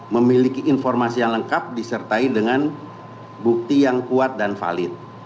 memiliki informasi yang lengkap disertai dengan bukti yang kuat dan valid